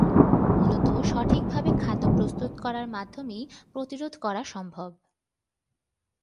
মূলত সঠিকভাবে খাদ্য প্রস্তুত করার মাধ্যমেই প্রতিরোধ করা সম্ভব।